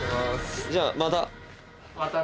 じゃあまた。